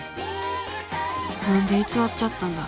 何で偽っちゃったんだろう。